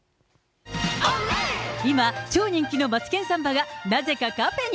今、超人気のマツケンサンバが、なぜかカフェに。